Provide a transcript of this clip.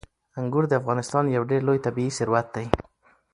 انګور د افغانستان یو ډېر لوی طبعي ثروت دی.